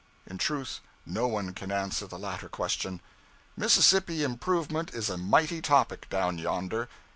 In truth, no one can answer the latter question. Mississippi Improvement is a mighty topic, down yonder.